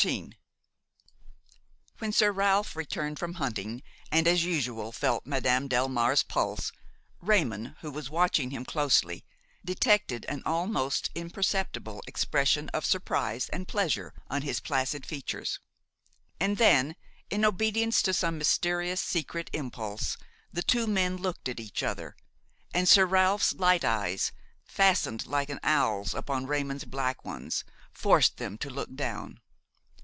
XIII When Sir Ralph returned from hunting and as usual felt Madame Delmare's pulse, Raymon, who was watching him closely, detected an almost imperceptible expression of surprise and pleasure on his placid features. And then, in obedience to some mysterious secret impulse, the two men looked at each other, and Sir Ralph's light eyes, fastened like an owl's upon Raymon's black ones, forced them to look down.